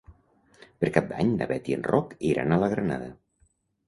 Per Cap d'Any na Beth i en Roc iran a la Granada.